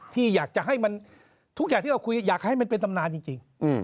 ที่อยากจะให้มันทุกอย่างที่เราคุยอยากให้มันเป็นตำนานจริง